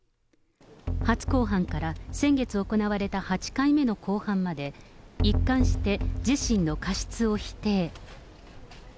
初公判から先月行われた８回目の後半まで、一貫して、自身の過失を否定。